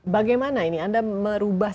bagaimana ini anda merubah